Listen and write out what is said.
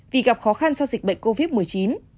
vì gặp khó khăn do dịch bệnh covid một mươi chín